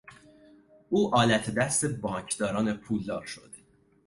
او آلت دست بانکداران پولدار شد.